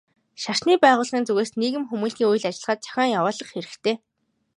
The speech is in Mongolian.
Шашны байгууллагын зүгээс нийгэм хүмүүнлэгийн үйл ажиллагаа зохион явуулах хэрэгтэй.